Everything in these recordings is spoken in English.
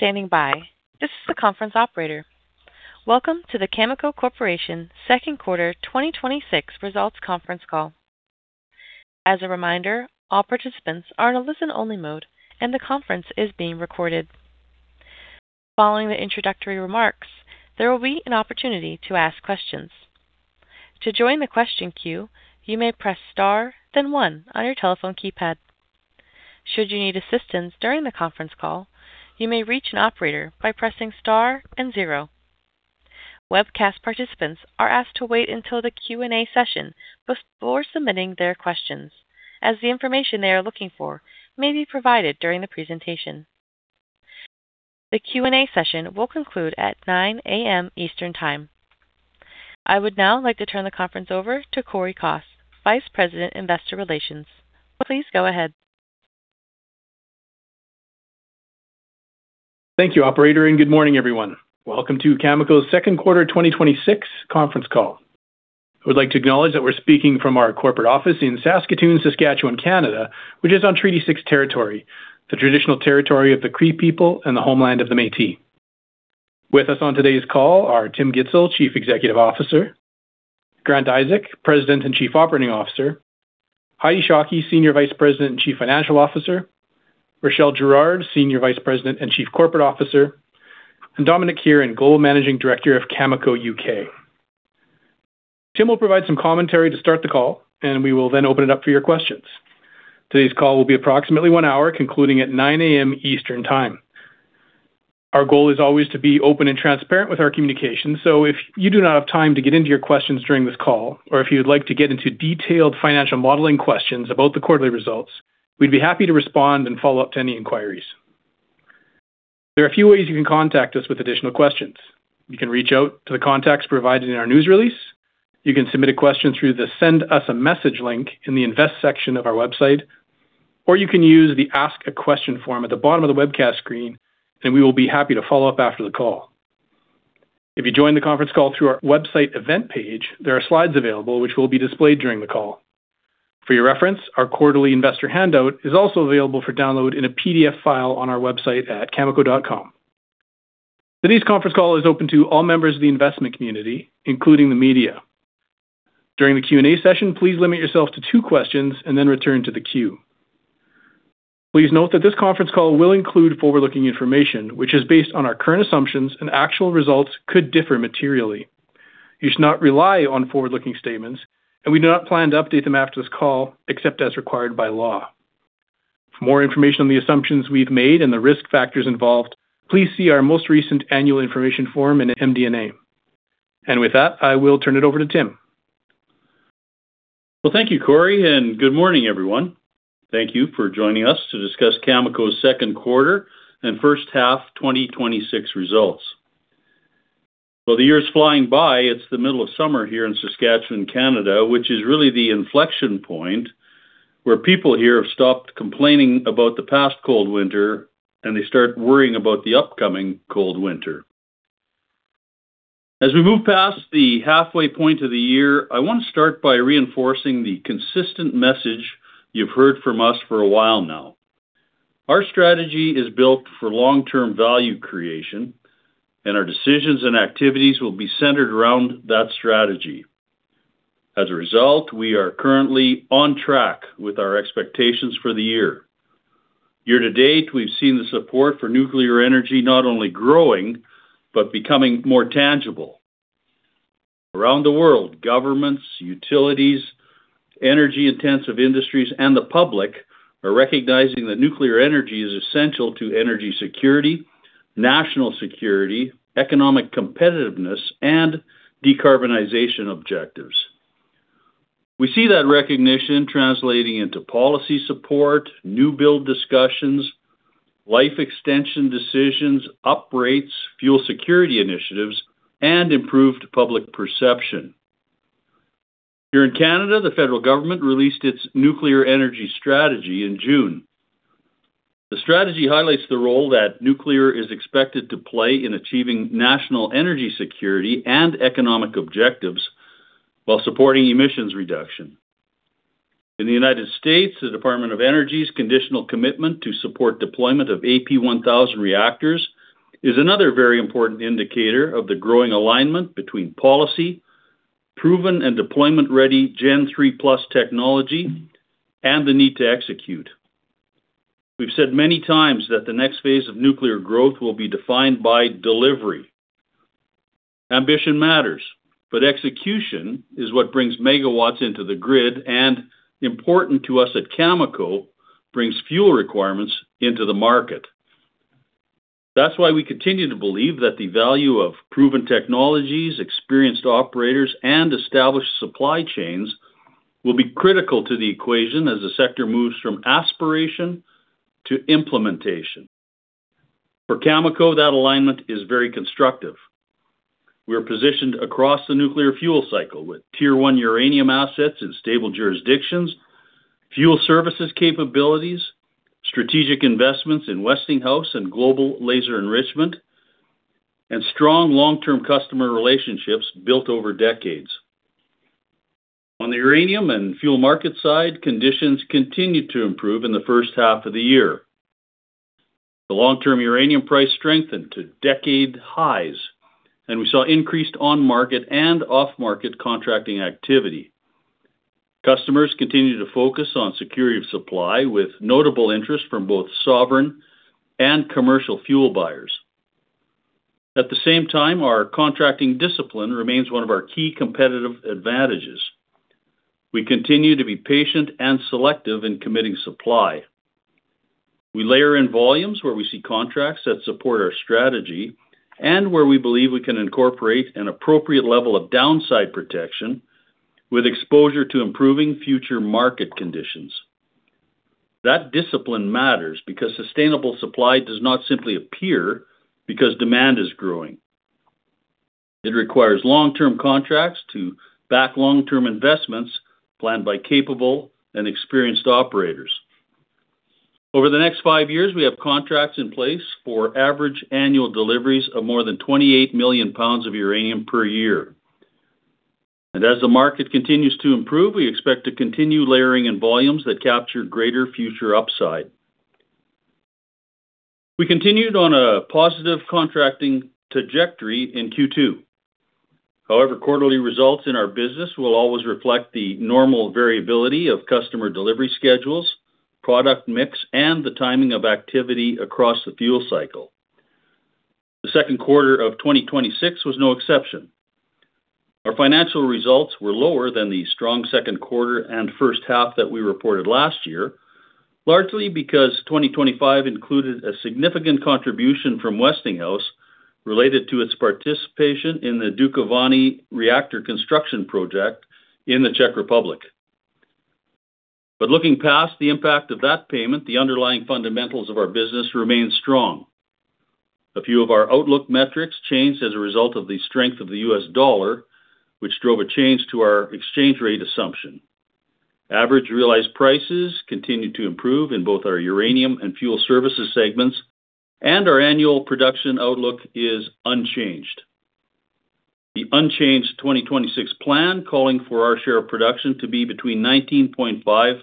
Thank you for standing by. This is the conference operator. Welcome to the Cameco Corporation Second Quarter 2026 Results Conference Call. As a reminder, all participants are in a listen-only mode, and the conference is being recorded. Following the introductory remarks, there will be an opportunity to ask questions. To join the question queue, you may press star then one on your telephone keypad. Should you need assistance during the conference call, you may reach an operator by pressing star and zero. Webcast participants are asked to wait until the Q&A session before submitting their questions, as the information they are looking for may be provided during the presentation. The Q&A session will conclude at 9:00 A.M. Eastern Time. I would now like to turn the conference over to Cory Kos, Vice President, Investor Relations. Please go ahead. Thank you operator. Good morning everyone. Welcome to Cameco's second quarter 2026 conference call. I would like to acknowledge that we're speaking from our corporate office in Saskatoon, Saskatchewan, Canada, which is on Treaty 6 territory, the traditional territory of the Cree people and the homeland of the Métis. With us on today's call are Tim Gitzel, Chief Executive Officer, Grant Isaac, President and Chief Operating Officer, Heidi Shockey, Senior Vice President and Chief Financial Officer, Rachelle Girard, Senior Vice President and Chief Corporate Officer, and Dominic Kieran, Global Managing Director of Cameco UK. Tim will provide some commentary to start the call. We will then open it up for your questions. Today's call will be approximately one hour, concluding at 9:00 A.M. Eastern Time. Our goal is always to be open and transparent with our communication. If you do not have time to get into your questions during this call, or if you'd like to get into detailed financial modeling questions about the quarterly results, we'd be happy to respond and follow up to any inquiries. There are a few ways you can contact us with additional questions. You can reach out to the contacts provided in our news release. You can submit a question through the send us a message link in the Invest section of our website, or you can use the ask a question form at the bottom of the webcast screen. We will be happy to follow up after the call. If you join the conference call through our website event page, there are slides available which will be displayed during the call. For your reference, our quarterly investor handout is also available for download in a PDF file on our website at cameco.com. Today's conference call is open to all members of the investment community, including the media. During the Q&A session, please limit yourself to two questions. Then return to the queue. Please note that this conference call will include forward-looking information, which is based on our current assumptions. Actual results could differ materially. You should not rely on forward-looking statements. We do not plan to update them after this call, except as required by law. For more information on the assumptions we've made and the risk factors involved, please see our most recent annual information form and MD&A. With that, I will turn it over to Tim. Well, thank you Cory. Good morning everyone. Thank you for joining us to discuss Cameco's second quarter and first half 2026 results. Well, the year is flying by. It's the middle of summer here in Saskatchewan, Canada, which is really the inflection point where people here have stopped complaining about the past cold winter. They start worrying about the upcoming cold winter. As we move past the halfway point of the year, I want to start by reinforcing the consistent message you've heard from us for a while now. Our strategy is built for long-term value creation. Our decisions and activities will be centered around that strategy. As a result, we are currently on track with our expectations for the year. Year to date, we've seen the support for nuclear energy not only growing, becoming more tangible. Around the world, governments, utilities, energy-intensive industries, and the public are recognizing that nuclear energy is essential to energy security, national security, economic competitiveness, and decarbonization objectives. We see that recognition translating into policy support, new build discussions, life extension decisions, uprates, fuel security initiatives, and improved public perception. Here in Canada, the federal government released its nuclear energy strategy in June. The strategy highlights the role that nuclear is expected to play in achieving national energy security and economic objectives while supporting emissions reduction. In the United States, the Department of Energy's conditional commitment to support deployment of AP1000 reactors is another very important indicator of the growing alignment between policy, proven and deployment-ready Gen III+ technology, and the need to execute. We've said many times that the next phase of nuclear growth will be defined by delivery. Ambition matters, execution is what brings megawatts into the grid, important to us at Cameco, brings fuel requirements into the market. That's why we continue to believe that the value of proven technologies, experienced operators, and established supply chains will be critical to the equation as the sector moves from aspiration to implementation. For Cameco, that alignment is very constructive. We are positioned across the nuclear fuel cycle with Tier 1 uranium assets in stable jurisdictions, fuel services capabilities, strategic investments in Westinghouse and Global Laser Enrichment, and strong long-term customer relationships built over decades. On the uranium and fuel market side, conditions continued to improve in the first half of the year. The long-term uranium price strengthened to decade highs. We saw increased on-market and off-market contracting activity. Customers continued to focus on security of supply, with notable interest from both sovereign and commercial fuel buyers. At the same time, our contracting discipline remains one of our key competitive advantages. We continue to be patient and selective in committing supply. We layer in volumes where we see contracts that support our strategy and where we believe we can incorporate an appropriate level of downside protection with exposure to improving future market conditions. That discipline matters because sustainable supply does not simply appear because demand is growing. It requires long-term contracts to back long-term investments planned by capable and experienced operators. Over the next five years, we have contracts in place for average annual deliveries of more than 28 million pounds of uranium per year. As the market continues to improve, we expect to continue layering in volumes that capture greater future upside. We continued on a positive contracting trajectory in Q2. Quarterly results in our business will always reflect the normal variability of customer delivery schedules, product mix, and the timing of activity across the fuel cycle. The second quarter of 2026 was no exception. Our financial results were lower than the strong second quarter and first half that we reported last year, largely because 2025 included a significant contribution from Westinghouse related to its participation in the Dukovany reactor construction project in the Czech Republic. Looking past the impact of that payment, the underlying fundamentals of our business remain strong. A few of our outlook metrics changed as a result of the strength of the U.S. dollar, which drove a change to our exchange rate assumption. Average realized prices continued to improve in both our uranium and fuel services segments, our annual production outlook is unchanged. The unchanged 2026 plan calling for our share of production to be between 19.5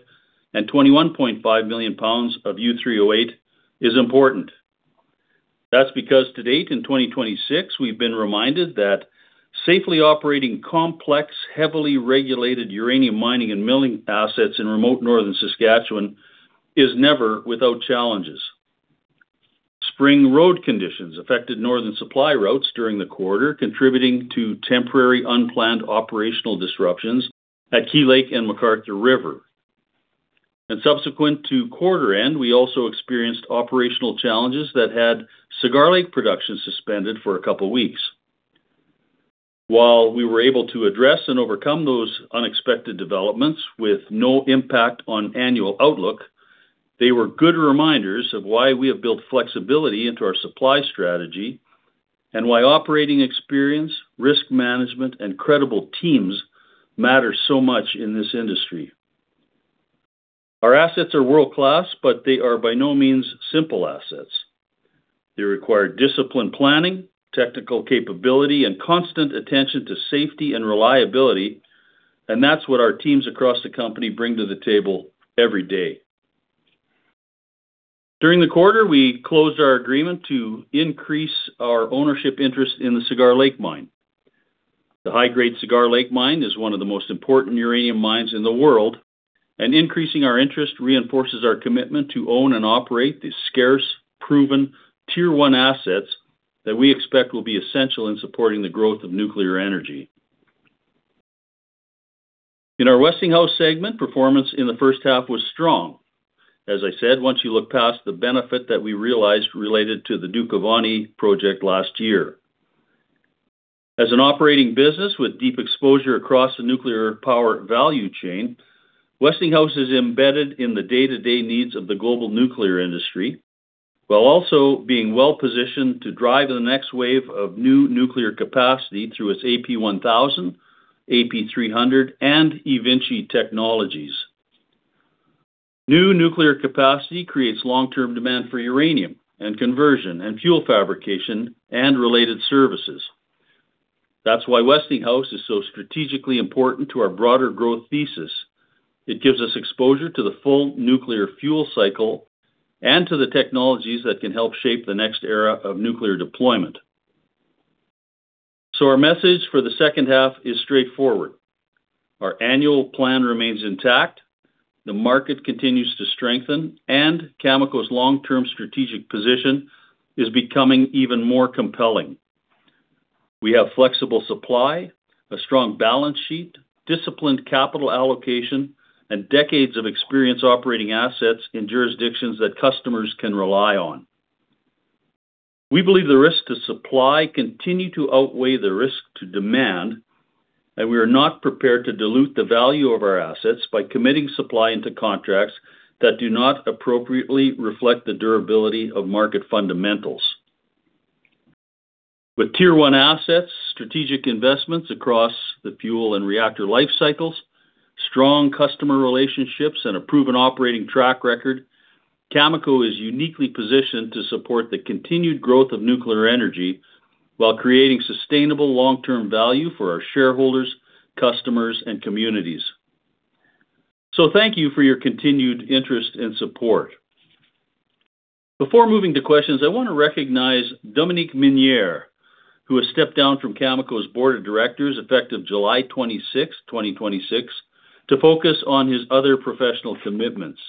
and 21.5 million pounds of U3O8 is important. That's because to date in 2026, we've been reminded that safely operating complex, heavily regulated uranium mining and milling assets in remote northern Saskatchewan is never without challenges. Spring road conditions affected northern supply routes during the quarter, contributing to temporary unplanned operational disruptions at Key Lake and McArthur River. Subsequent to quarter end, we also experienced operational challenges that had Cigar Lake production suspended for a couple of weeks. While we were able to address and overcome those unexpected developments with no impact on annual outlook, they were good reminders of why we have built flexibility into our supply strategy and why operating experience, risk management, and credible teams matter so much in this industry. Our assets are world-class, they are by no means simple assets. They require disciplined planning, technical capability, and constant attention to safety and reliability, that's what our teams across the company bring to the table every day. During the quarter, we closed our agreement to increase our ownership interest in the Cigar Lake mine. The high-grade Cigar Lake mine is one of the most important uranium mines in the world, increasing our interest reinforces our commitment to own and operate the scarce, proven Tier 1 assets that we expect will be essential in supporting the growth of nuclear energy. In our Westinghouse segment, performance in the first half was strong, as I said, once you look past the benefit that we realized related to the Dukovany project last year. As an operating business with deep exposure across the nuclear power value chain, Westinghouse is embedded in the day-to-day needs of the global nuclear industry while also being well-positioned to drive the next wave of new nuclear capacity through its AP1000, AP300, and eVinci technologies. New nuclear capacity creates long-term demand for uranium and conversion and fuel fabrication and related services. That's why Westinghouse is so strategically important to our broader growth thesis. It gives us exposure to the full nuclear fuel cycle and to the technologies that can help shape the next era of nuclear deployment. Our message for the second half is straightforward. Our annual plan remains intact, the market continues to strengthen, Cameco's long-term strategic position is becoming even more compelling. We have flexible supply, a strong balance sheet, disciplined capital allocation, and decades of experience operating assets in jurisdictions that customers can rely on. We believe the risks to supply continue to outweigh the risk to demand, we are not prepared to dilute the value of our assets by committing supply into contracts that do not appropriately reflect the durability of market fundamentals. With Tier 1 assets, strategic investments across the fuel and reactor life cycles, strong customer relationships, and a proven operating track record, Cameco is uniquely positioned to support the continued growth of nuclear energy while creating sustainable long-term value for our shareholders, customers, and communities. Thank you for your continued interest and support. Before moving to questions, I want to recognize Dominique Minière, who has stepped down from Cameco's board of directors effective July 26, 2026, to focus on his other professional commitments.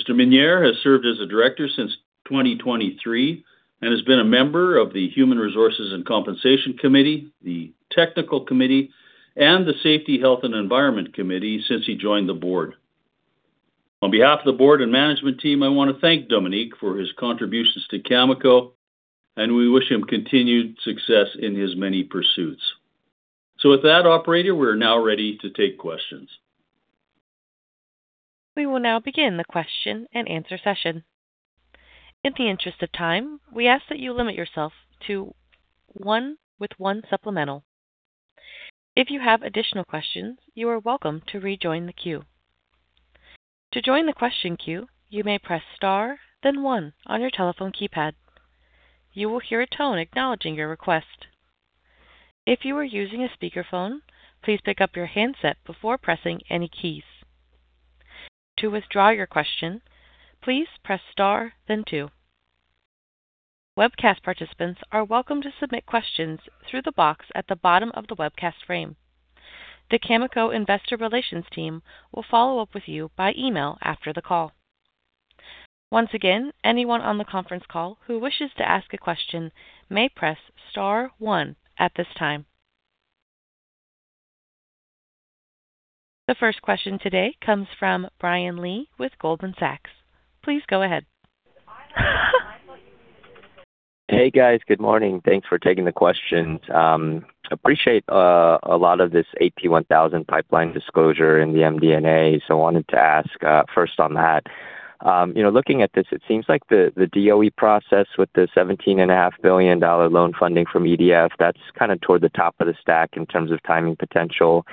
Mr. Minière has served as a director since 2023 and has been a member of the Human Resources and Compensation Committee, the Technical Committee, and the Safety, Health, and Environment Committee since he joined the board. On behalf of the board and management team, I want to thank Dominique for his contributions to Cameco, we wish him continued success in his many pursuits. With that, operator, we are now ready to take questions. We will now begin the question and answer session. In the interest of time, we ask that you limit yourself to one with one supplemental. If you have additional questions, you are welcome to rejoin the queue. To join the question queue, you may press star then one on your telephone keypad. You will hear a tone acknowledging your request. If you are using a speakerphone, please pick up your handset before pressing any keys. To withdraw your question, please press star then two. Webcast participants are welcome to submit questions through the box at the bottom of the webcast frame. The Cameco investor relations team will follow up with you by email after the call. Once again, anyone on the conference call who wishes to ask a question may press star one at this time. The first question today comes from Brian Lee with Goldman Sachs. Please go ahead. Hey, guys. Good morning. Thanks for taking the questions. Appreciate a lot of this AP1000 pipeline disclosure in the MD&A, wanted to ask first on that. Looking at this, it seems like the DOE process with the $17.5 billion loan funding from EDF, that's kind of toward the top of the stack in terms of timing potential.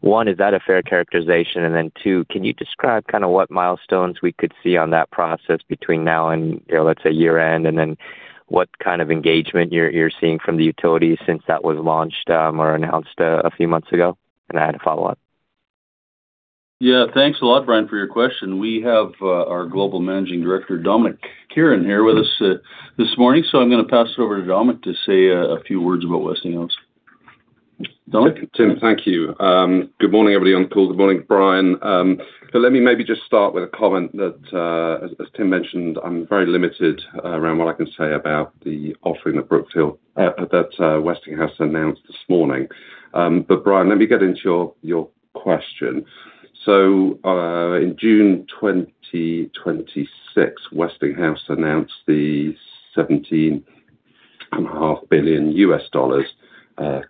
One, is that a fair characterization? Two, can you describe what milestones we could see on that process between now and let's say year-end, and then what kind of engagement you're seeing from the utilities since that was launched or announced a few months ago? I had a follow-up. Thanks a lot, Brian, for your question. We have our Global Managing Director, Dominic Kieran, here with us this morning. I'm going to pass it over to Dominic to say a few words about Westinghouse. Dominic? Tim, thank you. Good morning, everybody on the call. Good morning, Brian. Let me maybe just start with a comment that, as Tim mentioned, I'm very limited around what I can say about the offering that Westinghouse announced this morning. Brian, let me get into your question. In June 2026, Westinghouse announced the $17.5 billion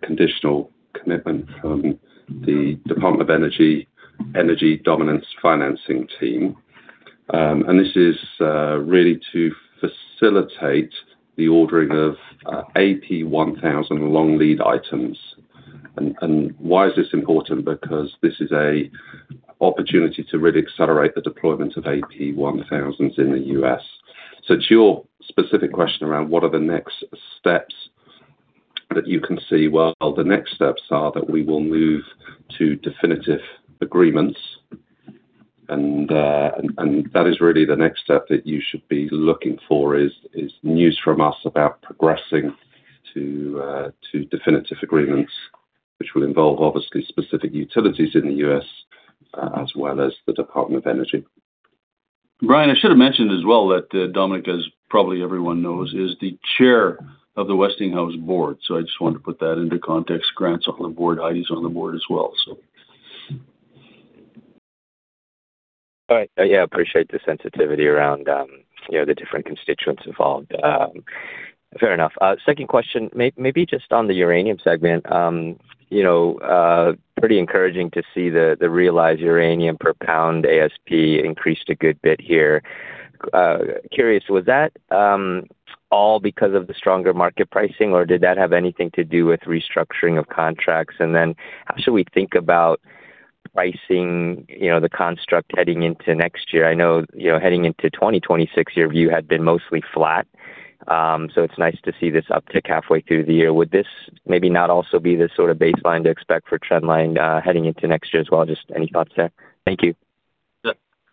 conditional commitment from the Department of Energy Dominance Financing team. This is really to facilitate the ordering of AP1000 long lead items. Why is this important? Because this is an opportunity to really accelerate the deployment of AP1000s in the U.S. To your specific question around what are the next steps that you can see? Well, the next steps are that we will move to definitive agreements, that is really the next step that you should be looking for is news from us about progressing to definitive agreements, which will involve obviously specific utilities in the U.S. as well as the Department of Energy. Brian, I should have mentioned as well that Dominic, as probably everyone knows, is the chair of the Westinghouse board. I just wanted to put that into context. Grant's on the board, Heidi's on the board as well. All right. Yeah, appreciate the sensitivity around the different constituents involved. Fair enough. Second question, maybe just on the uranium segment. Pretty encouraging to see the realized uranium per pound ASP increased a good bit here. Curious, was that all because of the stronger market pricing, or did that have anything to do with restructuring of contracts? How should we think about pricing the construct heading into next year? I know heading into 2026, your view had been mostly flat. It's nice to see this uptick halfway through the year. Would this maybe not also be the sort of baseline to expect for trend line heading into next year as well? Just any thoughts there? Thank you.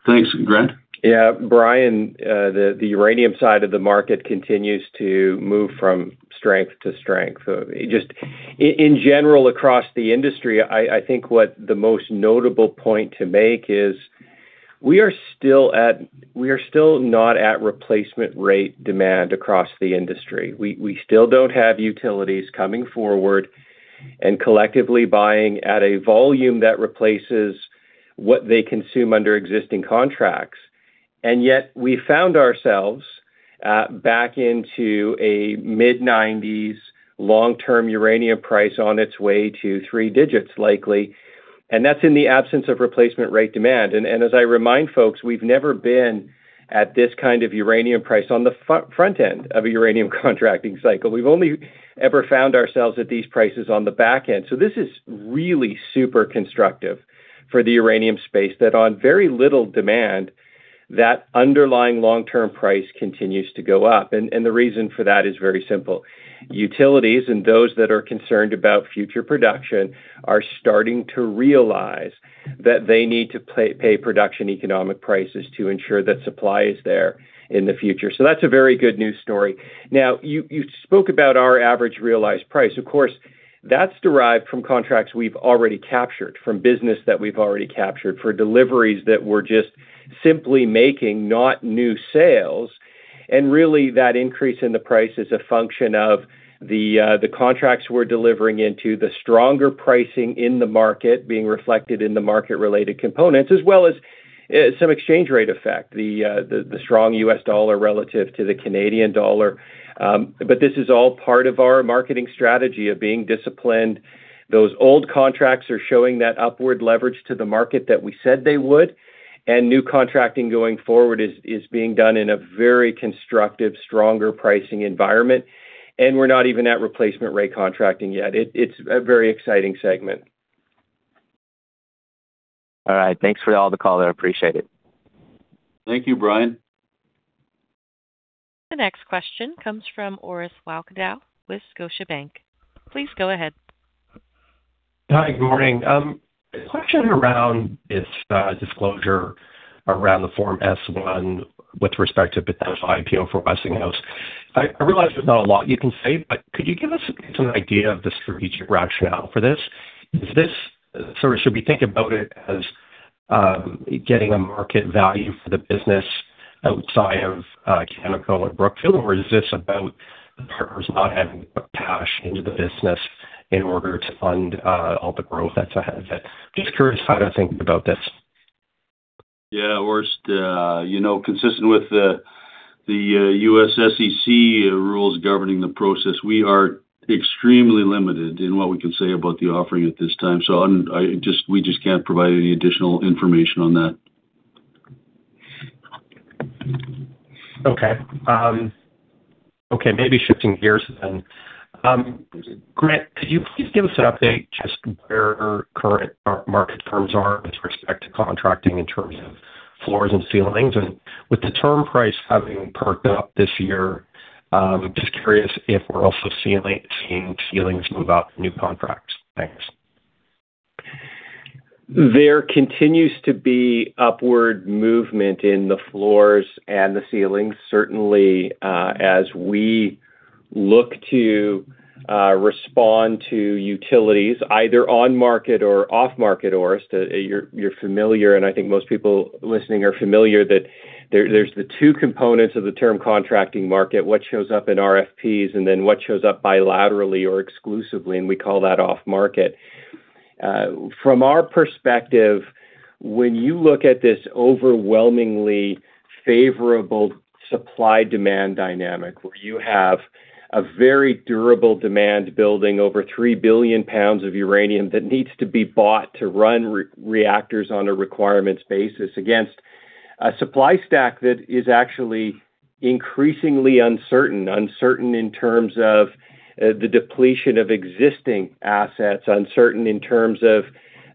Thanks. Grant? Yeah, Brian, the uranium side of the market continues to move from strength to strength. In general, across the industry, I think what the most notable point to make is we are still not at replacement rate demand across the industry. We still don't have utilities coming forward and collectively buying at a volume that replaces what they consume under existing contracts. Yet we found ourselves back into a mid-'90s long-term uranium price on its way to three digits likely, and that's in the absence of replacement rate demand. As I remind folks, we've never been at this kind of uranium price on the front end of a uranium contracting cycle. We've only ever found ourselves at these prices on the back end. This is really super constructive for the uranium space that on very little demand that underlying long-term price continues to go up, and the reason for that is very simple. Utilities and those that are concerned about future production are starting to realize that they need to pay production economic prices to ensure that supply is there in the future. That's a very good news story. Now, you spoke about our average realized price. Of course, that's derived from contracts we've already captured, from business that we've already captured for deliveries that we're just simply making, not new sales. Really that increase in the price is a function of the contracts we're delivering into the stronger pricing in the market being reflected in the market-related components, as well as some exchange rate effect, the strong U.S. dollar relative to the Canadian dollar. This is all part of our marketing strategy of being disciplined. Those old contracts are showing that upward leverage to the market that we said they would, new contracting going forward is being done in a very constructive, stronger pricing environment. We're not even at replacement rate contracting yet. It's a very exciting segment. All right. Thanks for all the color. Appreciate it. Thank you, Brian. The next question comes from Orest Wowkodaw with Scotiabank. Please go ahead. Hi. Good morning. A question around its disclosure around the Form S-1 with respect to potential IPO for Westinghouse. I realize there's not a lot you can say. Could you give us an idea of the strategic rationale for this? Should we think about it as getting a market value for the business outside of Cameco and Brookfield? Is this about the partners not having to put cash into the business in order to fund all the growth that's ahead of it? Just curious how to think about this. Yeah, Orest, consistent with the U.S. SEC rules governing the process, we are extremely limited in what we can say about the offering at this time. We just can't provide any additional information on that. Okay. Maybe shifting gears then. Grant, could you please give us an update just where current market firms are with respect to contracting in terms of floors and ceilings? With the term price having perked up this year, I'm just curious if we're also seeing ceilings move up new contracts. Thanks. There continues to be upward movement in the floors and the ceilings, certainly as we look to respond to utilities either on market or off market, Orest. You're familiar, and I think most people listening are familiar that there's the two components of the term contracting market, what shows up in RFPs and then what shows up bilaterally or exclusively, and we call that off market. From our perspective, when you look at this overwhelmingly favorable supply-demand dynamic where you have a very durable demand building over 3 billion pounds of uranium that needs to be bought to run reactors on a requirements basis against a supply stack that is actually increasingly uncertain in terms of the depletion of existing assets, uncertain in terms of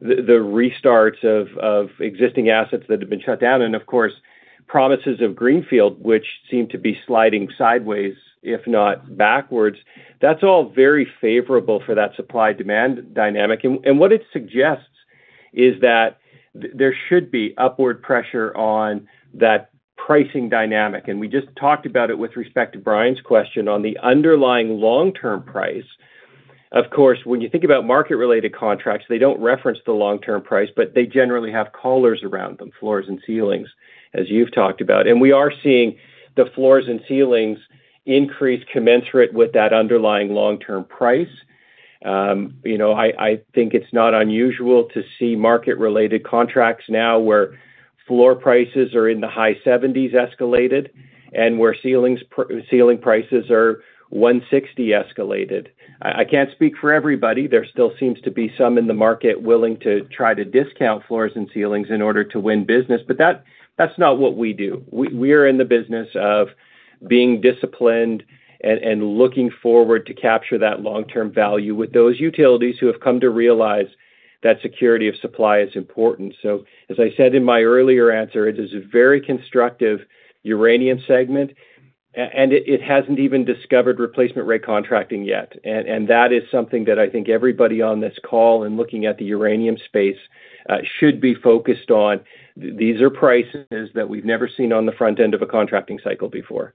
the restarts of existing assets that have been shut down, and of course, promises of greenfield, which seem to be sliding sideways, if not backwards. That's all very favorable for that supply-demand dynamic. What it suggests is that there should be upward pressure on that pricing dynamic, and we just talked about it with respect to Brian's question on the underlying long-term price. Of course, when you think about market-related contracts, they don't reference the long-term price, but they generally have collars around them, floors and ceilings, as you've talked about. We are seeing the floors and ceilings increase commensurate with that underlying long-term price. I think it's not unusual to see market-related contracts now where floor prices are in the high 70s escalated and where ceiling prices are 160 escalated. I can't speak for everybody. There still seems to be some in the market willing to try to discount floors and ceilings in order to win business, but that's not what we do. We are in the business of being disciplined and looking forward to capture that long-term value with those utilities who have come to realize that security of supply is important. As I said in my earlier answer, it is a very constructive uranium segment, and it hasn't even discovered replacement rate contracting yet. That is something that I think everybody on this call and looking at the uranium space should be focused on. These are prices that we've never seen on the front end of a contracting cycle before.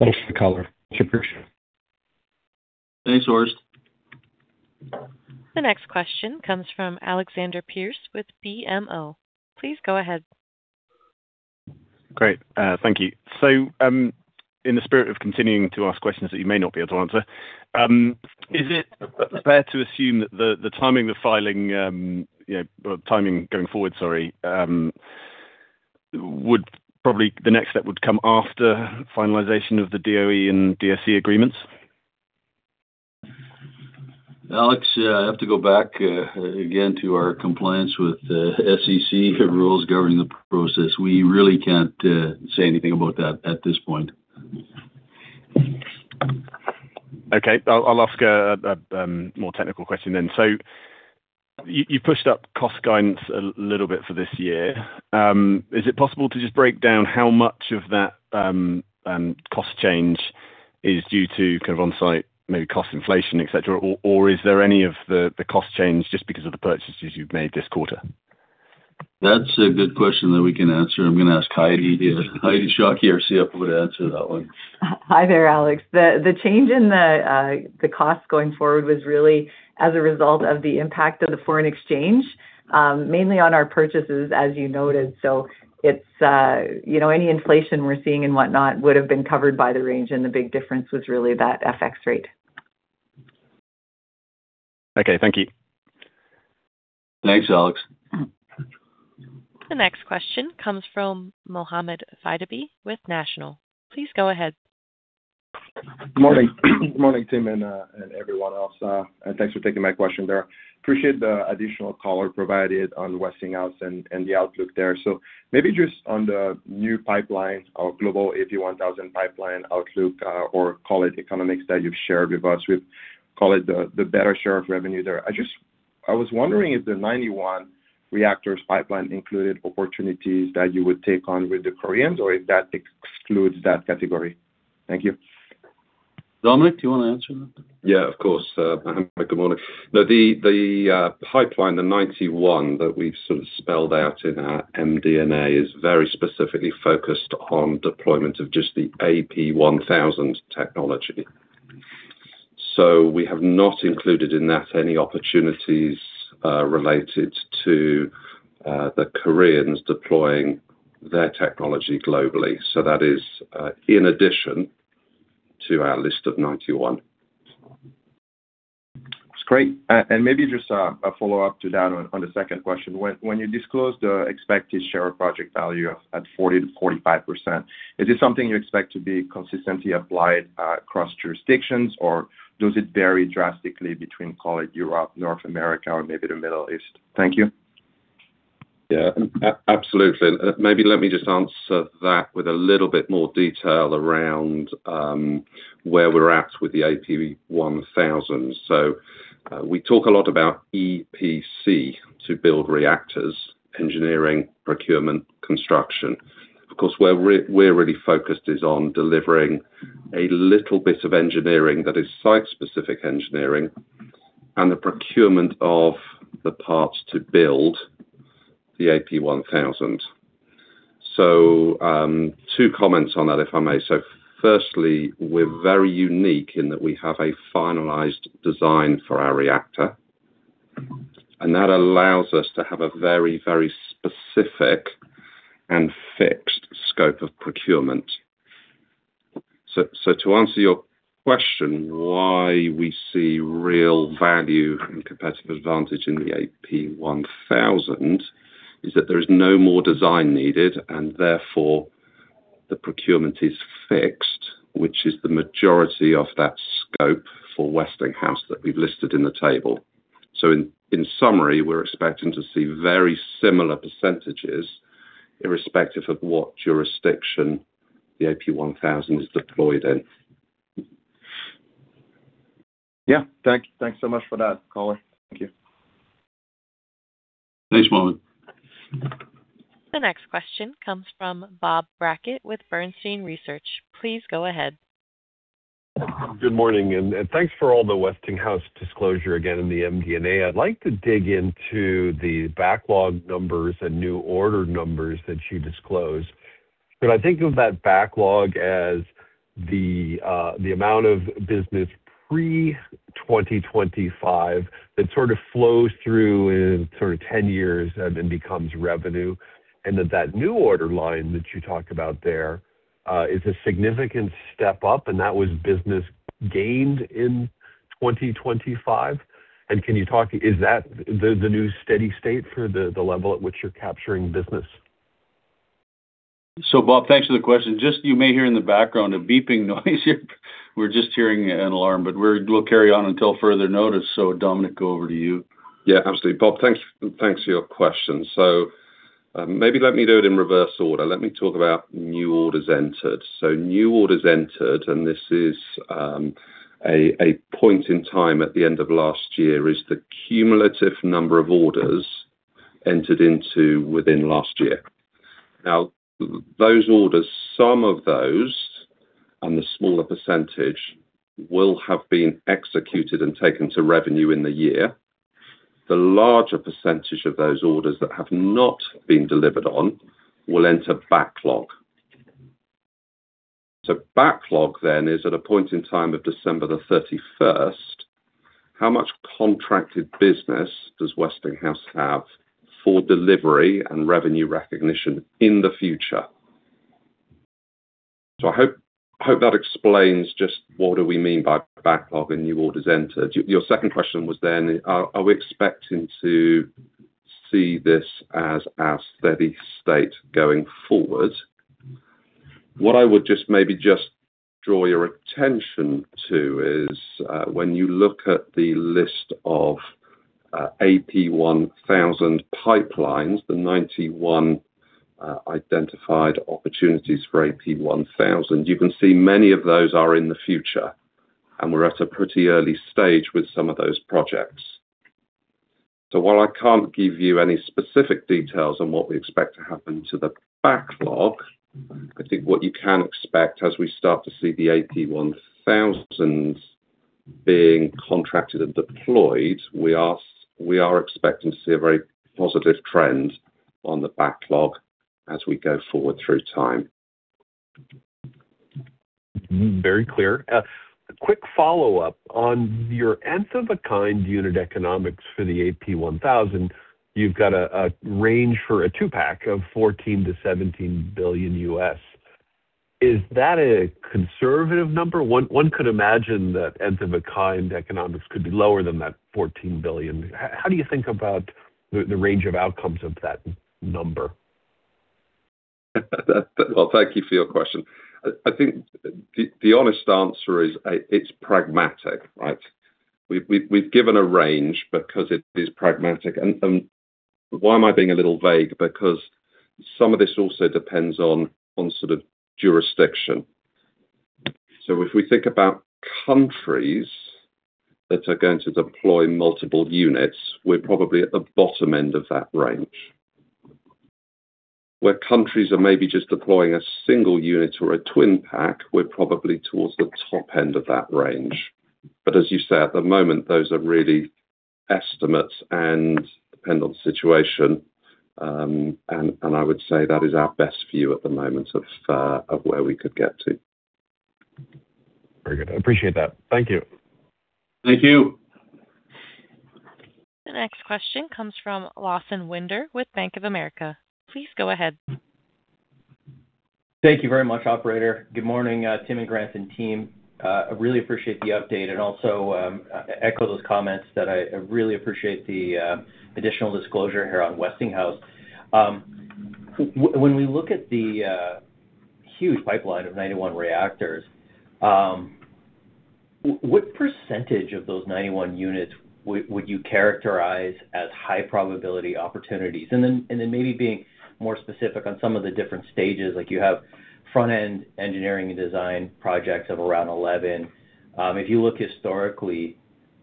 Thanks for the color. It's appreciated. Thanks, Orest. The next question comes from Alexander Pearce with BMO. Please go ahead. Great. Thank you. In the spirit of continuing to ask questions that you may not be able to answer, is it fair to assume that the timing going forward, sorry, probably the next step would come after finalization of the DOE and DSE agreements? Alex, I have to go back again to our compliance with SEC rules governing the process. We really can't say anything about that at this point. Okay. I'll ask a more technical question then. You pushed up cost guidance a little bit for this year. Is it possible to just break down how much of that cost change is due to kind of on-site, maybe cost inflation, et cetera? Or is there any of the cost change just because of the purchases you've made this quarter? That's a good question that we can answer. I'm going to ask Heidi here. Heidi Shockey, our CFO, to answer that one. Hi there, Alex. The change in the cost going forward was really as a result of the impact of the foreign exchange, mainly on our purchases, as you noted. Any inflation we're seeing and whatnot, would've been covered by the range, and the big difference was really that FX rate. Okay. Thank you. Thanks, Alex. The next question comes from Mohamed Sidibé with National. Please go ahead. Morning. Morning, Tim, and everyone else. Thanks for taking my question there. Appreciate the additional color provided on Westinghouse and the outlook there. Maybe just on the new pipelines or global AP1000 pipeline outlook, or call it economics that you've shared with us. We call it the better share of revenue there. I was wondering if the 91 reactors pipeline included opportunities that you would take on with the Koreans, or if that excludes that category. Thank you. Dominic, do you want to answer that? Of course. Mohamed, good morning. The pipeline, the 91 that we've sort of spelled out in our MD&A, is very specifically focused on deployment of just the AP1000 technology. We have not included in that any opportunities related to the Koreans deploying their technology globally. That is in addition to our list of 91. That's great. Maybe just a follow-up to that on the second question. When you disclose the expected share project value at 40%-45%, is this something you expect to be consistently applied across jurisdictions, or does it vary drastically between, call it Europe, North America, or maybe the Middle East? Thank you. Absolutely. Maybe let me just answer that with a little bit more detail around where we're at with the AP1000. We talk a lot about EPC to build reactors, engineering, procurement, construction. Of course, where we're really focused is on delivering a little bit of engineering that is site-specific engineering and the procurement of the parts to build the AP1000. Two comments on that, if I may. Firstly, we're very unique in that we have a finalized design for our reactor. That allows us to have a very specific and fixed scope of procurement. To answer your question, why we see real value and competitive advantage in the AP1000 is that there is no more design needed, and therefore the procurement is fixed, which is the majority of that scope for Westinghouse that we've listed in the table. In summary, we're expecting to see very similar percentages irrespective of what jurisdiction the AP1000 is deployed in. Yeah. Thanks so much for that color. Thank you. Thanks, Mohamed. The next question comes from Bob Brackett with Bernstein Research. Please go ahead. Good morning. Thanks for all the Westinghouse disclosure again in the MD&A. I'd like to dig into the backlog numbers and new order numbers that you disclosed. Could I think of that backlog as the amount of business pre-2025 that sort of flows through in sort of 10 years and then becomes revenue, and that that new order line that you talked about there is a significant step up, and that was business gained in 2025? Is that the new steady state for the level at which you're capturing business? Bob, thanks for the question. You may hear in the background a beeping noise here. We're just hearing an alarm, but we'll carry on until further notice. Dominic, over to you. Absolutely. Bob, thanks for your question. Maybe let me do it in reverse order. Let me talk about new orders entered. New orders entered, and this is a point in time at the end of last year, is the cumulative number of orders entered into within last year. Now, those orders, some of those, and the smaller percentage, will have been executed and taken to revenue in the year. The larger percentage of those orders that have not been delivered on will enter backlog. Backlog then is at a point in time of December the 31st, how much contracted business does Westinghouse have for delivery and revenue recognition in the future? I hope that explains just what do we mean by backlog and new orders entered. Your second question was, are we expecting to see this as our steady state going forward? What I would draw your attention to is when you look at the list of AP1000 pipelines, the 91 identified opportunities for AP1000. You can see many of those are in the future, and we're at a pretty early stage with some of those projects. While I can't give you any specific details on what we expect to happen to the backlog, I think what you can expect as we start to see the AP1000 being contracted and deployed, we are expecting to see a very positive trend on the backlog as we go forward through time. Very clear. A quick follow-up, on your Nth-of-a-kind unit economics for the AP1000, you've got a range for a two-pack of $14 billion-$17 billion. Is that a conservative number? One could imagine that Nth-of-a-kind economics could be lower than that $14 billion. How do you think about the range of outcomes of that number? Well, thank you for your question. I think the honest answer is it's pragmatic, right? We've given a range because it is pragmatic. Why am I being a little vague? Because some of this also depends on sort of jurisdiction. If we think about countries that are going to deploy multiple units, we're probably at the bottom end of that range. Where countries are maybe just deploying a single unit or a twin pack, we're probably towards the top end of that range. As you say, at the moment, those are really estimates and depend on the situation. I would say that is our best view at the moment of where we could get to. Very good. I appreciate that. Thank you. Thank you. The next question comes from Lawson Winder with Bank of America. Please go ahead. Thank you very much, operator. Good morning, Tim and Grant and team. I really appreciate the update and also echo those comments that I really appreciate the additional disclosure here on Westinghouse. When we look at the huge pipeline of 91 reactors, what percentage of those 91 units would you characterize as high-probability opportunities? Then maybe being more specific on some of the different stages, like you have front-end engineering and design projects of around 11. If you look historically,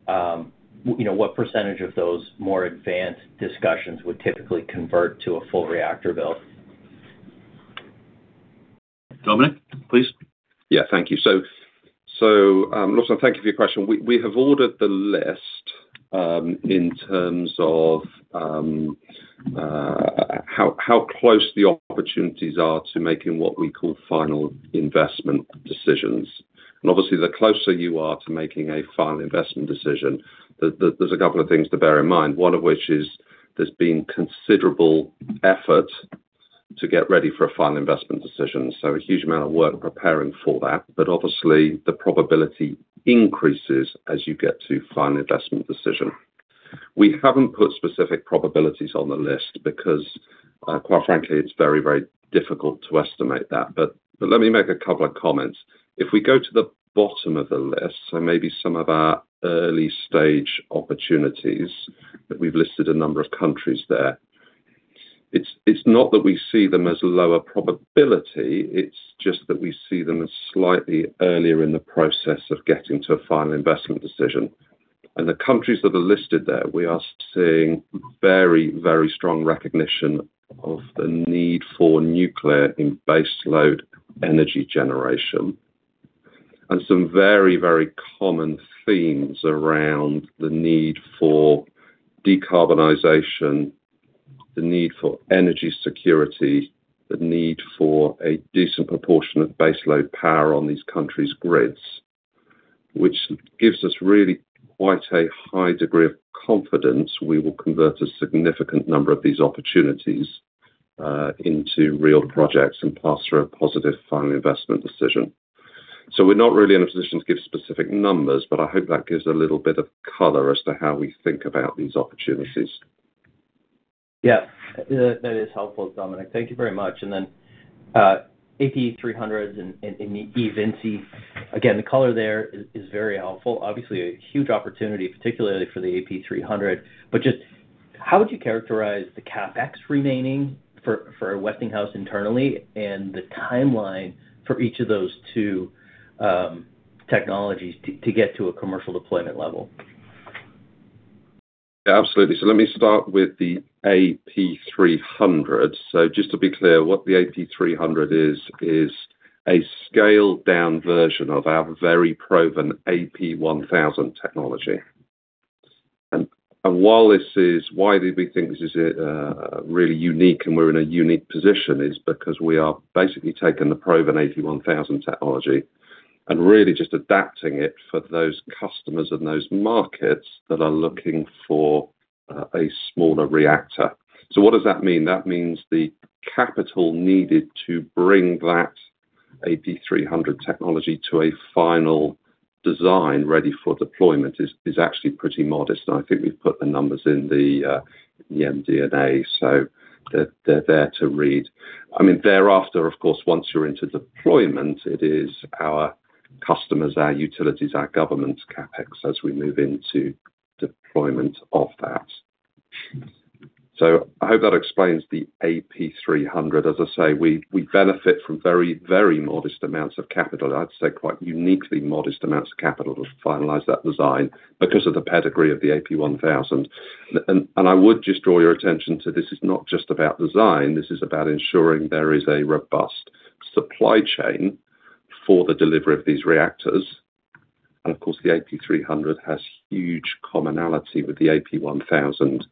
what percentage of those more advanced discussions would typically convert to a full reactor build? Dominic, please. Yeah. Thank you. Lawson, thank you for your question. We have ordered the list in terms of how close the opportunities are to making what we call final investment decisions. Obviously, the closer you are to making a final investment decision, there's a couple of things to bear in mind. One of which is there's been considerable effort to get ready for a final investment decision. A huge amount of work preparing for that. Obviously, the probability increases as you get to final investment decision. We haven't put specific probabilities on the list because, quite frankly, it's very, very difficult to estimate that. Let me make a couple of comments. If we go to the bottom of the list, maybe some of our early-stage opportunities that we've listed a number of countries there, it's not that we see them as lower probability, it's just that we see them as slightly earlier in the process of getting to a final investment decision. The countries that are listed there, we are seeing very, very strong recognition of the need for nuclear in base-load energy generation. Some very, very common themes around the need for decarbonization, the need for energy security, the need for a decent proportion of base-load power on these countries' grids, which gives us really quite a high degree of confidence we will convert a significant number of these opportunities into real projects and pass through a positive final investment decision. We are not really in a position to give specific numbers, but I hope that gives a little bit of color as to how we think about these opportunities. Yeah. That is helpful, Dominic. Thank you very much. Then AP300s and the eVinci, again, the color there is very helpful. Obviously, a huge opportunity, particularly for the AP300, but just how would you characterize the CapEx remaining for Westinghouse internally and the timeline for each of those two technologies to get to a commercial deployment level? Yeah, absolutely. Let me start with the AP300. Just to be clear, what the AP300 is a scaled-down version of our very proven AP1000 technology. Why we think this is really unique and we're in a unique position is because we are basically taking the proven AP1000 technology and really just adapting it for those customers and those markets that are looking for a smaller reactor. What does that mean? That means the capital needed to bring that AP300 technology to a final design ready for deployment is actually pretty modest and I think we've put the numbers in the MD&A so they're there to read. Thereafter, of course, once you're into deployment, it is our customers, our utilities, our government CapEx as we move into deployment of that. I hope that explains the AP300. As I say, we benefit from very modest amounts of capital. I'd say quite uniquely modest amounts of capital to finalize that design because of the pedigree of the AP1000. I would just draw your attention to this is not just about design, this is about ensuring there is a robust supply chain for the delivery of these reactors. Of course, the AP300 has huge commonality with the AP1000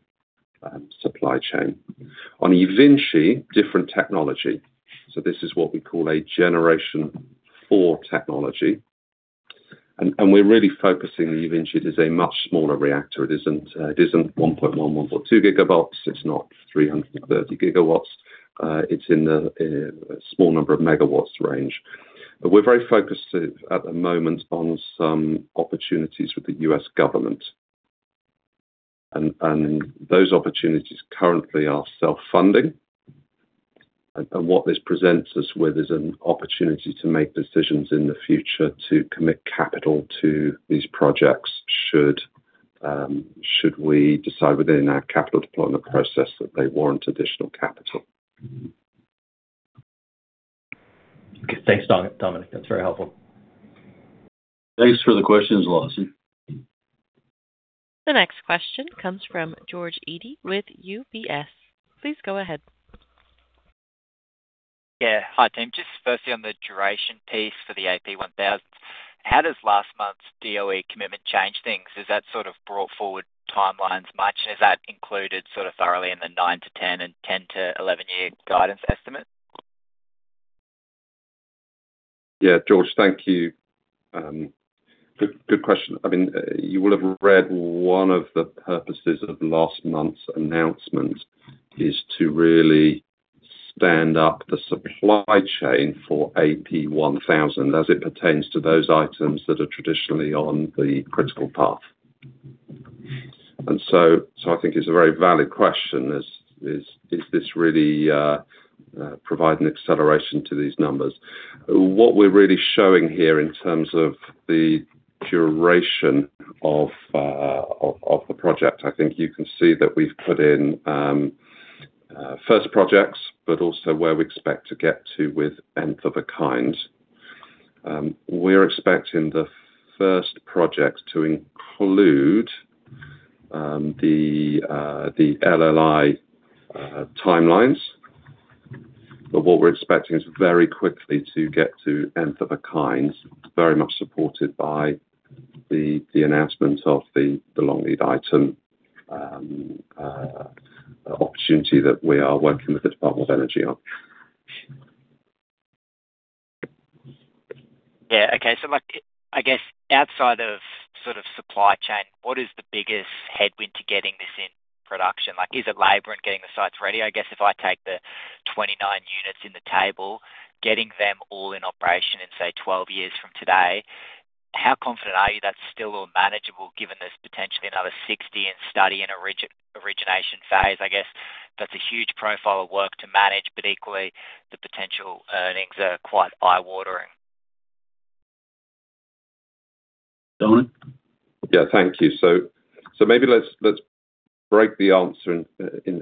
supply chain. On eVinci, different technology. This is what we call a Generation IV technology. We're really focusing the eVinci as a much smaller reactor. It isn't 1.1 GW, 1.2 GW. It's not 330 GW. It's in the small number of megawatts range. We're very focused at the moment on some opportunities with the U.S. government. Those opportunities currently are self-funding. What this presents us with is an opportunity to make decisions in the future to commit capital to these projects should we decide within our capital deployment process that they warrant additional capital. Okay. Thanks, Dominic. That's very helpful. Thanks for the questions, Lawson. The next question comes from George Eadie with UBS. Please go ahead. Yeah. Hi, team. Firstly on the duration piece for the AP1000, how does last month's DOE commitment change things? Has that sort of brought forward timelines much, and is that included sort of thoroughly in the 9-10 year and 10-11 year guidance estimate? Yeah, George, thank you. Good question. You will have read one of the purposes of last month's announcement is to really stand up the supply chain for AP1000 as it pertains to those items that are traditionally on the critical path. I think it's a very valid question, is this really provide an acceleration to these numbers? What we're really showing here in terms of the duration of the project, I think you can see that we've put in first projects, but also where we expect to get to with Nth-of-a-kind. We're expecting the first project to include the LLI timelines, but what we're expecting is very quickly to get to Nth-of-a-kind, very much supported by the announcement of the long lead item opportunity that we are working with the Department of Energy on. Yeah. Okay. I guess outside of sort of supply chain, what is the biggest headwind to getting this in production? Like, is it labor and getting the sites ready? I guess if I take the 29 units in the table, getting them all in operation in, say, 12 years from today, how confident are you that's still manageable given there's potentially another 60 in study and origination phase? I guess that's a huge profile of work to manage, but equally, the potential earnings are quite eye-watering. Dominic? Yeah. Thank you. Maybe let's break the answer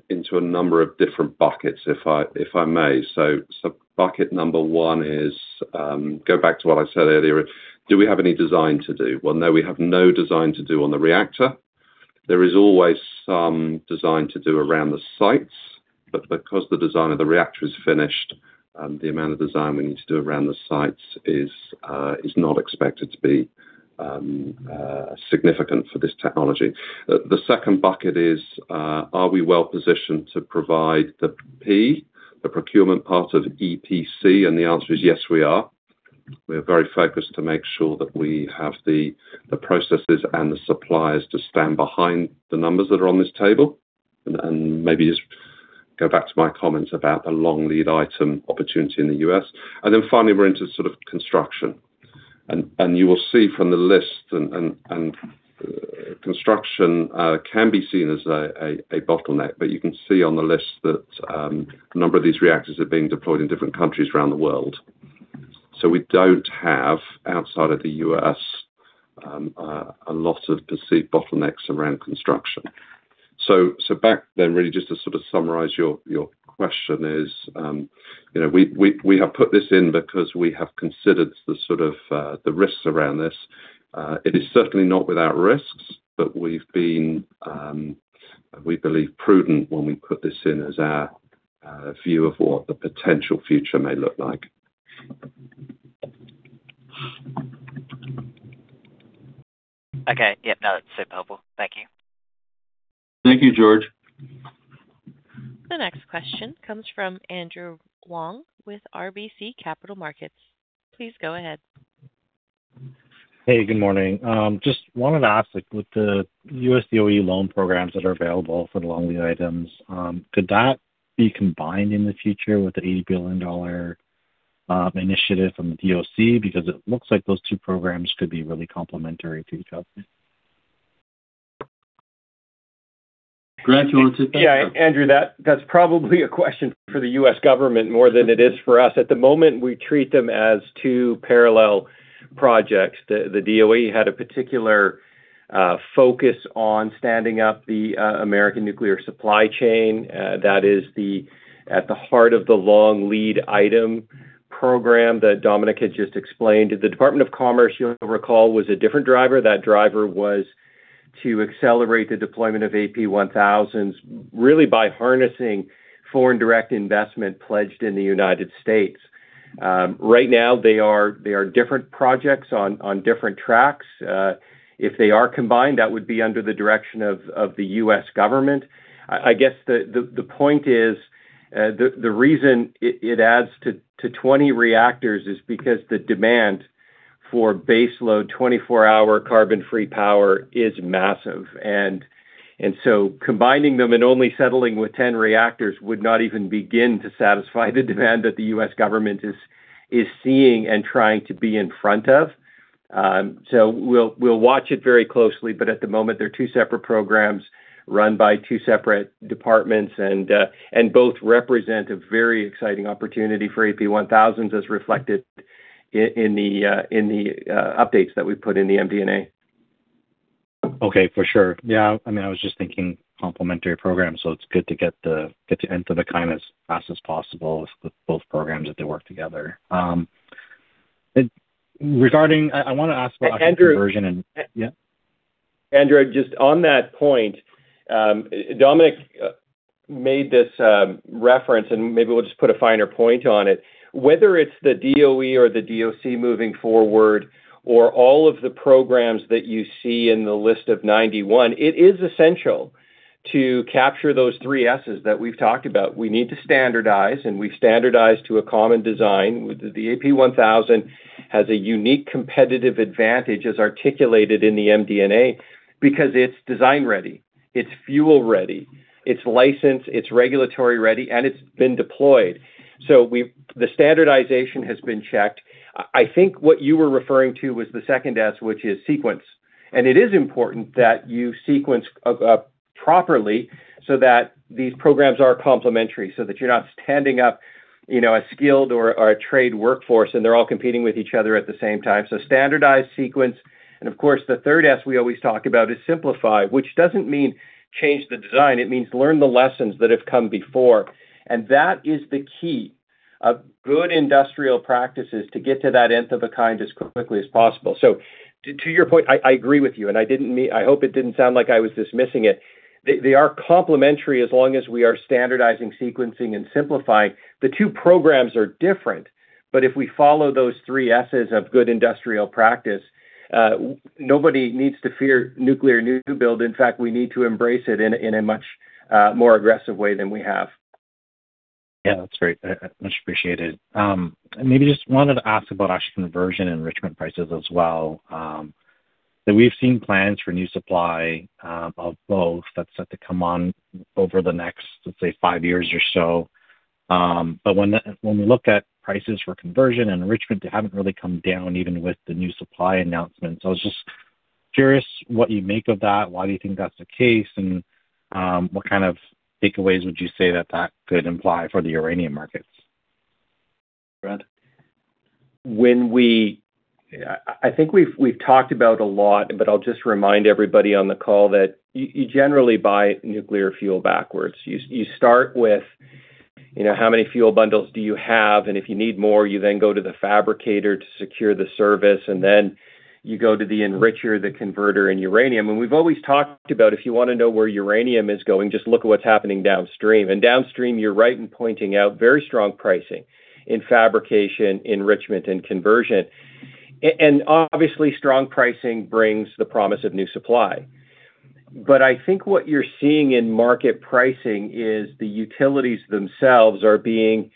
into a number of different buckets, if I may. Bucket number one is, go back to what I said earlier, do we have any design to do? Well, no, we have no design to do on the reactor. There is always some design to do around the sites, but because the design of the reactor is finished, the amount of design we need to do around the sites is not expected to be significant for this technology. The second bucket is, are we well-positioned to provide the P, the procurement part of EPC? The answer is yes, we are. We are very focused to make sure that we have the processes and the suppliers to stand behind the numbers that are on this table. Maybe just go back to my comment about the long lead item opportunity in the U.S. Finally, we're into sort of construction. You will see from the list, construction can be seen as a bottleneck, but you can see on the list that a number of these reactors are being deployed in different countries around the world. We don't have, outside of the U.S., a lot of perceived bottlenecks around construction. Back then, really just to sort of summarize your question is we have put this in because we have considered the sort of the risks around this. It is certainly not without risks. We've been, we believe, prudent when we put this in as our view of what the potential future may look like. Okay. Yeah, no, that's super helpful. Thank you. Thank you, George. The next question comes from Andrew Wong with RBC Capital Markets. Please go ahead. Hey, good morning. Just wanted to ask, with the U.S. DOE loan programs that are available for the long lead items, could that be combined in the future with the 80 billion dollar initiative from the DOC? It looks like those two programs could be really complementary to each other. Grant, you want to take that? Yeah, Andrew, that's probably a question for the U.S. government more than it is for us. At the moment, we treat them as two parallel projects. The DOE had a particular focus on standing up the American nuclear supply chain. That is at the heart of the long lead item program that Dominic had just explained. The Department of Commerce, you'll recall, was a different driver. That driver was to accelerate the deployment of AP1000s, really by harnessing foreign direct investment pledged in the United States. Right now they are different projects on different tracks. If they are combined, that would be under the direction of the U.S. government. I guess the point is, the reason it adds to 20 reactors is because the demand for base load 24-hour carbon-free power is massive. Combining them and only settling with 10 reactors would not even begin to satisfy the demand that the U.S. government is seeing and trying to be in front of. We'll watch it very closely, but at the moment, they're two separate programs run by two separate departments, and both represent a very exciting opportunity for AP1000s as reflected in the updates that we've put in the MD&A. Okay. For sure. Yeah, I was just thinking complementary programs, it's good to get to Nth-of-a-kind as fast as possible with both programs as they work together. I want to ask about conversion. Andrew. Yeah. Andrew, just on that point, Dominic made this reference, and maybe we'll just put a finer point on it. Whether it's the DOE or the DOC moving forward or all of the programs that you see in the list of 91, it is essential to capture those three S's that we've talked about. We need to standardize, and we've standardized to a common design. The AP1000 has a unique competitive advantage as articulated in the MD&A because it's design-ready, it's fuel-ready, it's licensed, it's regulatory-ready, and it's been deployed. The standardization has been checked. I think what you were referring to was the second S, which is sequence, and it is important that you sequence properly so that these programs are complementary, so that you're not standing up a skilled or a trade workforce and they're all competing with each other at the same time. Standardized sequence, and of course, the third S we always talk about is simplify, which doesn't mean change the design, it means learn the lessons that have come before. That is the key of good industrial practices to get to that Nth-of-a-kind as quickly as possible. To your point, I agree with you, and I hope it didn't sound like I was dismissing it. They are complementary as long as we are standardizing, sequencing, and simplifying. The two programs are different, but if we follow those three S's of good industrial practice, nobody needs to fear nuclear new build. In fact, we need to embrace it in a much more aggressive way than we have. Yeah, that's very much appreciated. Maybe just wanted to ask about actually conversion enrichment prices as well, that we've seen plans for new supply of both that's set to come on over the next, let's say, five years or so. When we look at prices for conversion and enrichment, they haven't really come down even with the new supply announcement. I was just curious what you make of that. Why do you think that's the case, and what kind of takeaways would you say that that could imply for the uranium markets? Grant? I think we've talked about a lot. I'll just remind everybody on the call that you generally buy nuclear fuel backwards. You start with how many fuel bundles do you have. If you need more, you then go to the fabricator to secure the service, then you go to the enricher, the converter in uranium. We've always talked about if you want to know where uranium is going, just look at what's happening downstream. Downstream, you're right in pointing out very strong pricing in fabrication, enrichment, and conversion. Obviously, strong pricing brings the promise of new supply. I think what you're seeing in market pricing is the utilities themselves are being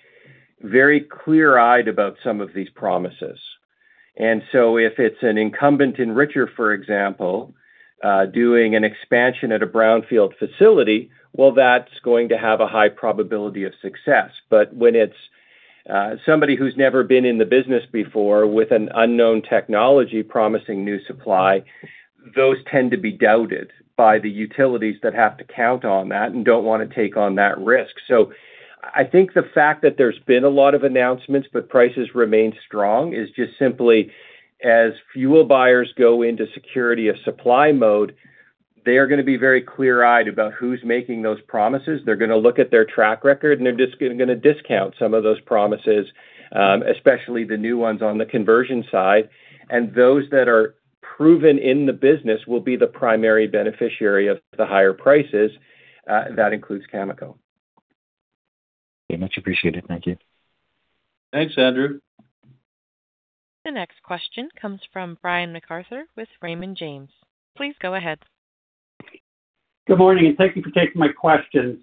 very clear-eyed about some of these promises. If it's an incumbent enricher, for example, doing an expansion at a brownfield facility, well, that's going to have a high probability of success. When it's somebody who's never been in the business before with an unknown technology promising new supply, those tend to be doubted by the utilities that have to count on that and don't want to take on that risk. I think the fact that there's been a lot of announcements but prices remain strong is just simply as fuel buyers go into security of supply mode, they are going to be very clear-eyed about who's making those promises. They're going to look at their track record and they're just going to discount some of those promises, especially the new ones on the conversion side. Those that are proven in the business will be the primary beneficiary of the higher prices. That includes Cameco. Much appreciated. Thank you. Thanks, Andrew. The next question comes from Brian MacArthur with Raymond James. Please go ahead. Good morning, thank you for taking my question.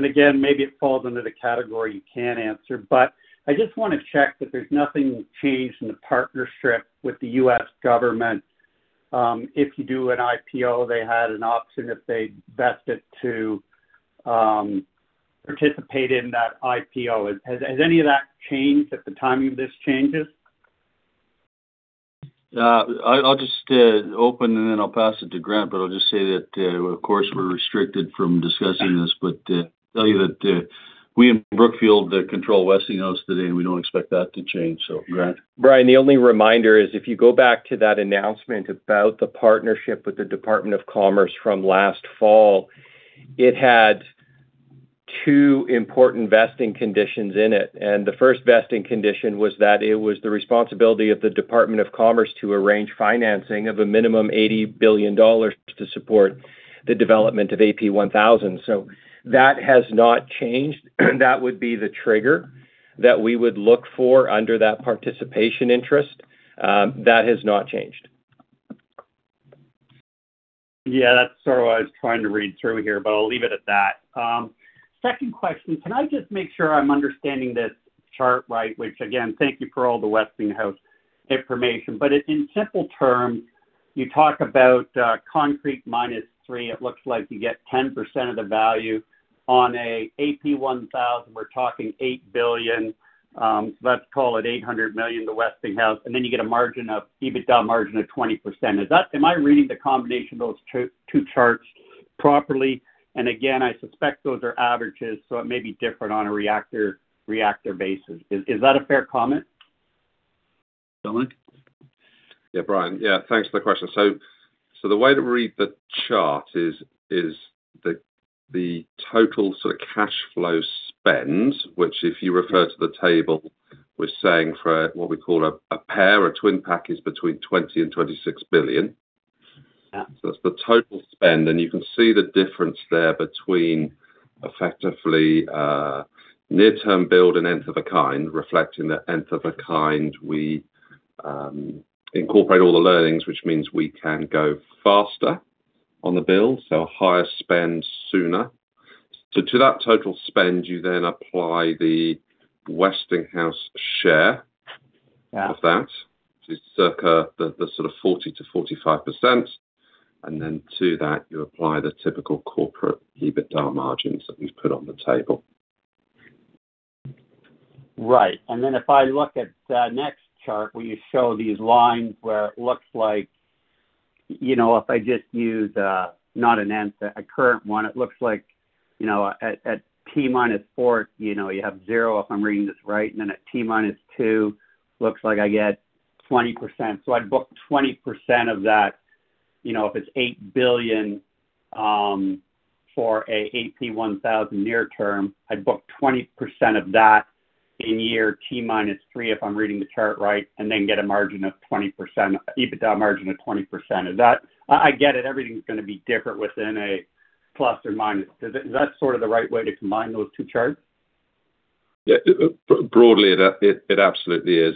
Again, maybe it falls under the category you can't answer, but I just want to check that there's nothing changed in the partnership with the U.S. government. If you do an IPO, they had an option if they vested to participate in that IPO. Has any of that changed if the timing of this changes? I'll just open and then I'll pass it to Grant, but I'll just say that, of course, we're restricted from discussing this, but tell you that we and Brookfield control Westinghouse today, and we don't expect that to change. Grant? Brian, the only reminder is if you go back to that announcement about the partnership with the Department of Commerce from last fall, it had two important vesting conditions in it. The first vesting condition was that it was the responsibility of the Department of Commerce to arrange financing of a minimum 80 billion dollars to support the development of AP1000. That has not changed. That would be the trigger that we would look for under that participation interest. That has not changed. Yeah, that's sort of what I was trying to read through here, but I'll leave it at that. Second question. Can I just make sure I'm understanding this chart right? Which again, thank you for all the Westinghouse information. In simple terms, you talk about concrete minus three, it looks like you get 10% of the value on a AP1000. We're talking 8 billion, let's call it 800 million to Westinghouse, and then you get an EBITDA margin of 20%. Am I reading the combination of those two charts properly? Again, I suspect those are averages, it may be different on a reactor basis. Is that a fair comment? Dominic? Yeah, Brian. Yeah, thanks for the question. The way to read the chart is the total sort of cash flow spend, which if you refer to the table, we're saying for what we call a pair or a twin pack is between 20 billion and 26 billion. Yeah. It's the total spend, you can see the difference there between effectively near-term build and Nth-of-a-kind, reflecting that Nth-of-a-kind, we incorporate all the learnings, which means we can go faster on the build, a higher spend sooner. To that total spend, you then apply the Westinghouse share- Yeah of that, which is circa the sort of 40%-45%, then to that you apply the typical corporate EBITDA margins that we've put on the table. Right. Then if I look at the next chart where you show these lines where it looks like if I just use, not an Nth, a current one, it looks like at T minus four, you have zero if I'm reading this right, then at T minus two looks like I get 20%. I'd book 20% of that if it's $8 billion for an AP1000 near term, I'd book 20% of that in year T minus three if I'm reading the chart right, then get an EBITDA margin of 20%. I get it, everything's going to be different within a ±. Is that sort of the right way to combine those two charts? Yeah. Broadly, it absolutely is.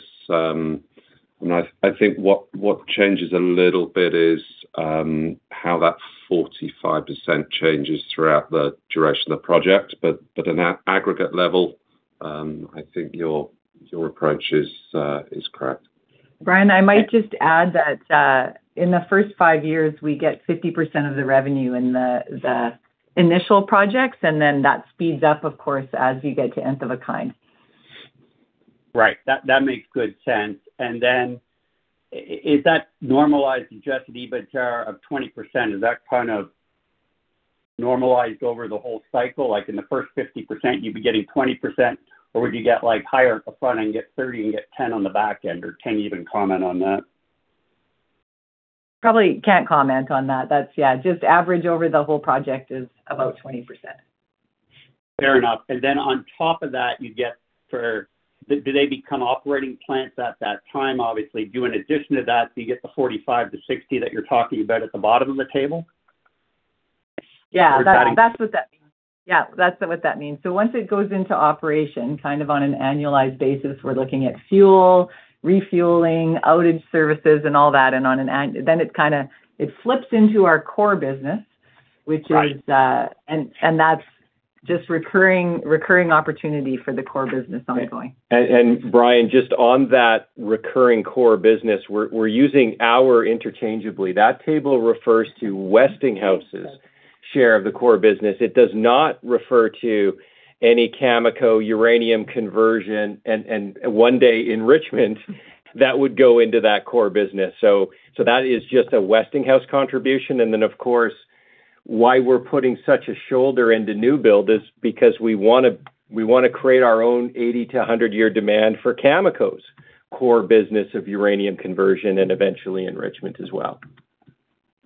I think what changes a little bit is how that 45% changes throughout the duration of the project. At an aggregate level, I think your approach is correct. Brian, I might just add that in the first five years, we get 50% of the revenue in the initial projects, and then that speeds up, of course, as you get to Nth-of-a-kind. Right. That makes good sense. Then is that normalized adjusted EBITDA of 20%, is that kind of normalized over the whole cycle? Like in the first 50%, you'd be getting 20% or would you get higher up front and get 30% and get 10% on the back end? Can you even comment on that? Probably can't comment on that. Just average over the whole project is about 20%. Fair enough. Then on top of that, do they become operating plants at that time, obviously? In addition to that, you get the 45%-60% that you're talking about at the bottom of the table? Yeah. That's what that means. Once it goes into operation kind of on an annualized basis, we're looking at fuel, refueling, outage services, and all that. It kind of flips into our core business. Right. That's just recurring opportunity for the core business ongoing. Brian, just on that recurring core business, we're using our interchangeably. That table refers to Westinghouse's share of the core business. It does not refer to any Cameco uranium conversion and one day enrichment that would go into that core business. That is just a Westinghouse contribution, then of course why we're putting such a shoulder into new build is because we want to create our own 80-100-year demand for Cameco's core business of uranium conversion and eventually enrichment as well.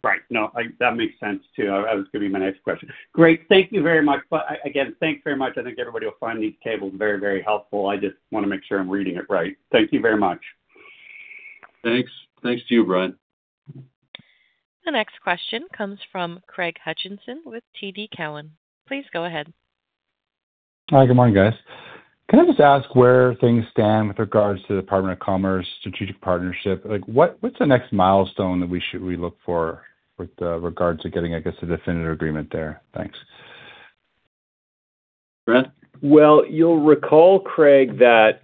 Right. No, that makes sense too. That was going to be my next question. Great. Thank you very much. Again, thanks very much. I think everybody will find these tables very helpful. I just want to make sure I'm reading it right. Thank you very much. Thanks. Thanks to you, Brian. The next question comes from Craig Hutchison with TD Cowen. Please go ahead. Hi. Good morning, guys. Can I just ask where things stand with regards to Department of Commerce strategic partnership? What's the next milestone that we look for with regards to getting, I guess, a definitive agreement there? Thanks. Grant? You'll recall, Craig, that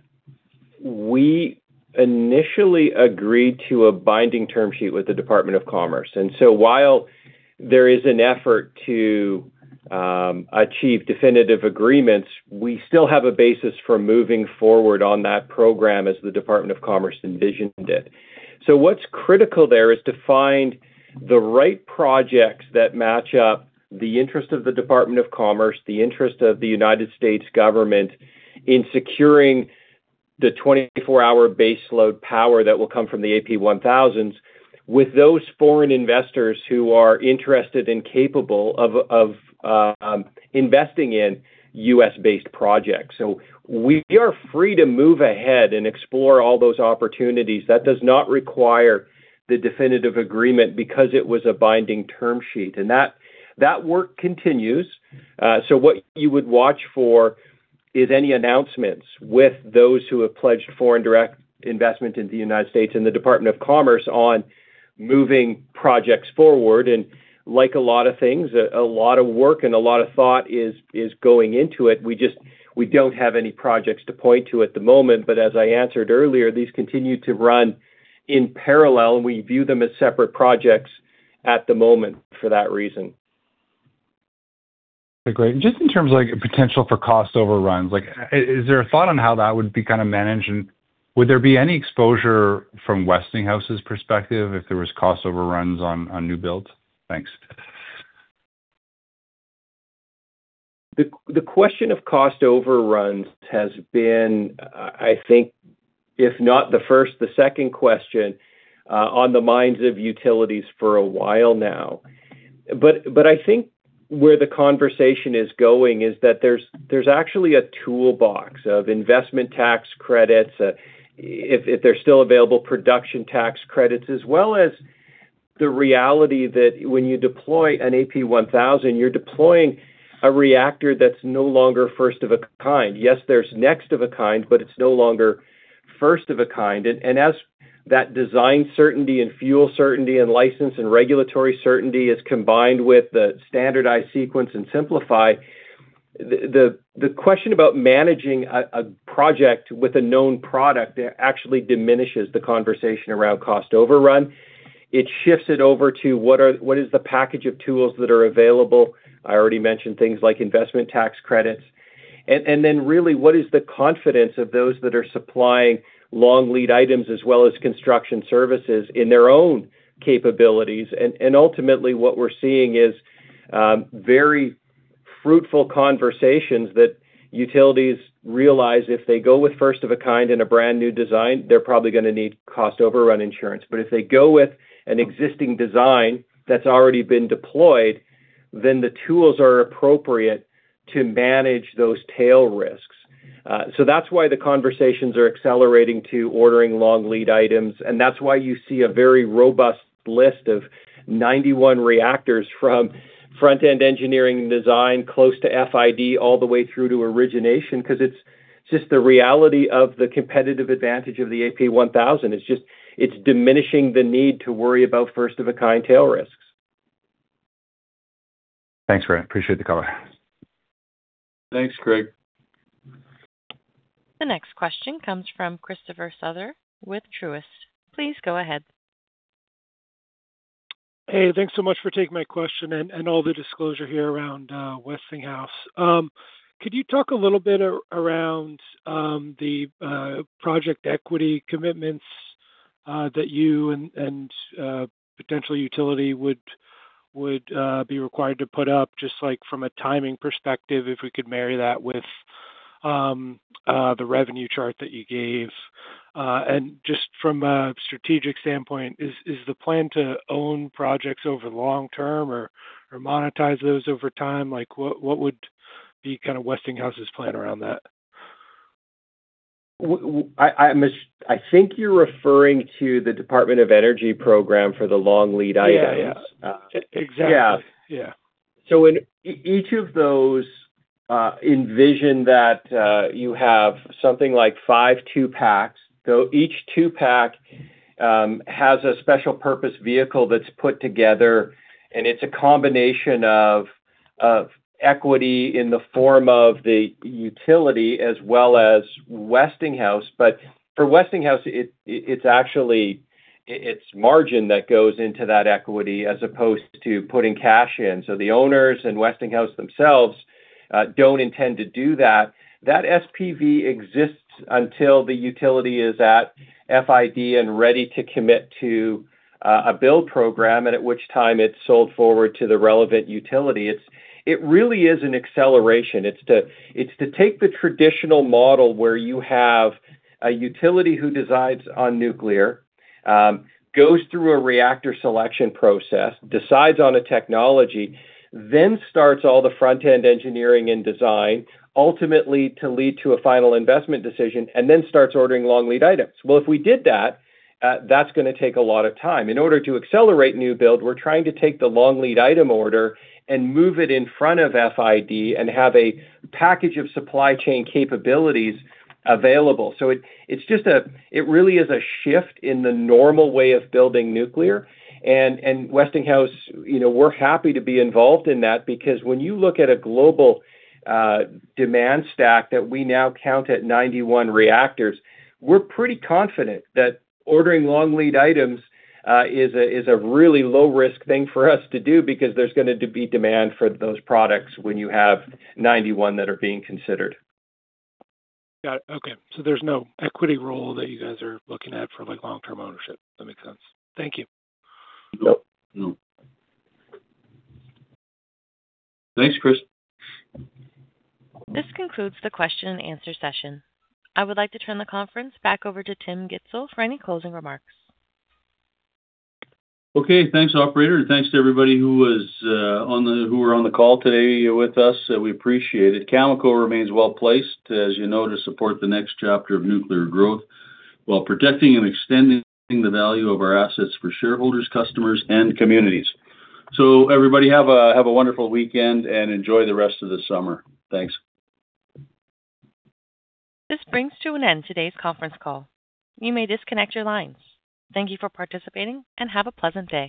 we initially agreed to a binding term sheet with the Department of Commerce. While there is an effort to achieve definitive agreements, we still have a basis for moving forward on that program as the Department of Commerce envisioned it. What's critical there is to find the right projects that match up the interest of the Department of Commerce, the interest of the United States government in securing the 24-hour base load power that will come from the AP1000s, with those foreign investors who are interested and capable of investing in U.S.-based projects. We are free to move ahead and explore all those opportunities. That does not require the definitive agreement because it was a binding term sheet, and that work continues. What you would watch for is any announcements with those who have pledged foreign direct investment in the United States and the Department of Commerce on moving projects forward. Like a lot of things, a lot of work and a lot of thought is going into it. We don't have any projects to point to at the moment, but as I answered earlier, these continue to run in parallel. We view them as separate projects at the moment for that reason. Great. Just in terms of potential for cost overruns, is there a thought on how that would be managed, and would there be any exposure from Westinghouse's perspective if there was cost overruns on new builds? Thanks. The question of cost overruns has been, I think, if not the first, the second question on the minds of utilities for a while now. I think where the conversation is going is that there's actually a toolbox of investment tax credits, if they're still available, production tax credits, as well as the reality that when you deploy an AP1000, you're deploying a reactor that's no longer first of a kind. Yes, there's next of a kind, but it's no longer first of a kind. As that design certainty and fuel certainty and license and regulatory certainty is combined with the standardized sequence in Simplify, the question about managing a project with a known product actually diminishes the conversation around cost overrun. It shifts it over to what is the package of tools that are available. I already mentioned things like investment tax credits. Then really, what is the confidence of those that are supplying long lead items as well as construction services in their own capabilities? Ultimately, what we're seeing is very fruitful conversations that utilities realize if they go with first of a kind in a brand-new design, they're probably going to need cost overrun insurance. If they go with an existing design that's already been deployed, then the tools are appropriate to manage those tail risks. That's why the conversations are accelerating to ordering long lead items, and that's why you see a very robust list of 91 reactors from front-end engineering design close to FID all the way through to origination, because it's just the reality of the competitive advantage of the AP1000. It's diminishing the need to worry about first of a kind tail risks. Thanks, Grant. Appreciate the color. Thanks, Craig. The next question comes from Christopher Souther with Truist. Please go ahead. Hey, thanks so much for taking my question and all the disclosure here around Westinghouse. Could you talk a little bit around the project equity commitments that you and potential utility would be required to put up, just like from a timing perspective, if we could marry that with the revenue chart that you gave? Just from a strategic standpoint, is the plan to own projects over the long term or monetize those over time? What would be Westinghouse's plan around that? I think you're referring to the Department of Energy program for the long lead items. Yeah. Exactly. Yeah. Yeah. In each of those, envision that you have something like five two-packs. Each two-pack has a special-purpose vehicle that's put together, and it's a combination of equity in the form of the utility as well as Westinghouse. For Westinghouse, it's margin that goes into that equity as opposed to putting cash in. The owners and Westinghouse themselves don't intend to do that. That SPV exists until the utility is at FID and ready to commit to a build program, at which time it's sold forward to the relevant utility. It really is an acceleration. It's to take the traditional model where you have a utility who decides on nuclear, goes through a reactor selection process, decides on a technology, then starts all the front-end engineering and design, ultimately to lead to a final investment decision, then starts ordering long lead items. Well, if we did that's going to take a lot of time. In order to accelerate new build, we're trying to take the long lead item order and move it in front of FID and have a package of supply chain capabilities available. It really is a shift in the normal way of building nuclear, and Westinghouse, we're happy to be involved in that because when you look at a global demand stack that we now count at 91 reactors, we're pretty confident that ordering long lead items is a really low-risk thing for us to do because there's going to be demand for those products when you have 91 that are being considered. Got it. Okay. There's no equity role that you guys are looking at for long-term ownership. That makes sense. Thank you. Nope. No. Thanks, Chris. This concludes the question and answer session. I would like to turn the conference back over to Tim Gitzel for any closing remarks. Okay, thanks, operator. Thanks to everybody who were on the call today with us. We appreciate it. Cameco remains well-placed, as you know, to support the next chapter of nuclear growth, while protecting and extending the value of our assets for shareholders, customers, and communities. Everybody have a wonderful weekend and enjoy the rest of the summer. Thanks. This brings to an end today's conference call. You may disconnect your lines. Thank you for participating and have a pleasant day.